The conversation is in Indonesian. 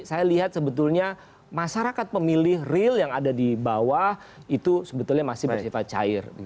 saya lihat sebetulnya masyarakat pemilih real yang ada di bawah itu sebetulnya masih bersifat cair